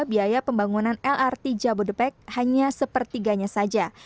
biaya pembangunan lrt jabodebek hanya sepertiganya saja